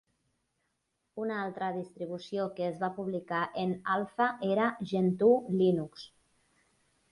Una altra distribució que es va publicar en Alpha era Gentoo Linux.